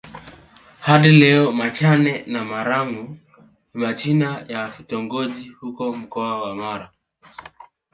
Hadi leo Machame na Marangu ni majina ya vitongoji huko Mkoa wa Mara